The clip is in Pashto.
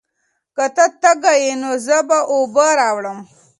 که ته تږی یې، نو زه به اوبه راوړم.